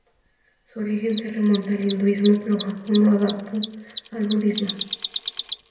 Su origen se remonta al hinduismo, pero Japón la adaptó al budismo.